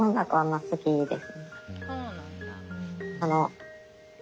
そうなんだ。